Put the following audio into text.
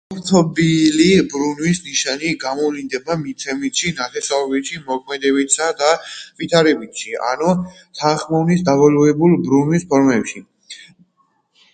შემოსილია სუბალპური ბალახეულობით.